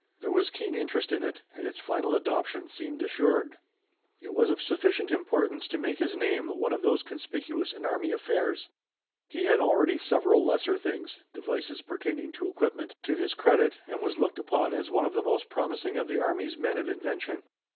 There was keen interest in it and its final adoption seemed assured. It was of sufficient importance to make his name one of those conspicuous in army affairs. He had already several lesser things devices pertaining to equipment to his credit and was looked upon as one of the most promising of the army's men of invention.